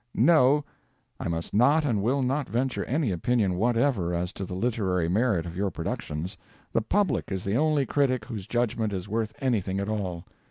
No; I must not and will not venture any opinion whatever as to the literary merit of your productions. The public is the only critic whose judgment is worth anything at all.